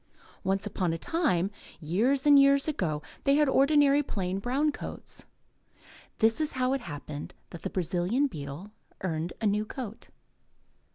Once upon a time, years and years ago, they had ordinary plain, brown coats. This is how it happened that the Brazilian beetle earned a new coat.